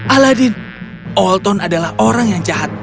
aladin olton adalah orang yang jahat